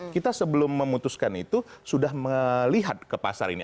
kita sebelum memutuskan itu sudah melihat ke pasar ini